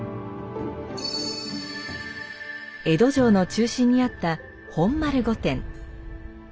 江戸城の中心にあった本丸御殿。